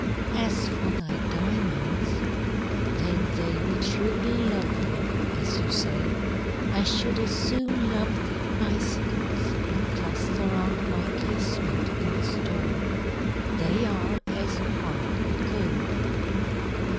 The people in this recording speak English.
As for thy diamonds, though they be truly lovely, as you say, I should as soon love the icicles that cluster round my casement in the storm. They are as hard and cold."